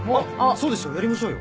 そうですよやりましょうよ。